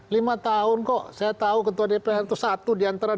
lima tahun kok saya tahu ketua dpr itu satu diantara dua